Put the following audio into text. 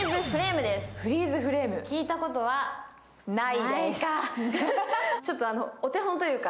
聞いたことはないか。